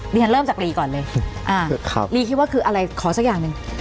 ฉันเริ่มจากรีก่อนเลยลีคิดว่าคืออะไรขอสักอย่างหนึ่ง